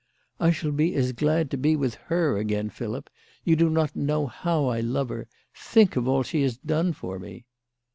" I shall be as glad to be with her again, Philip. You do not know how I love her. Think of all she has done for me